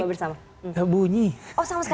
oh sama sekali gak bunyi pak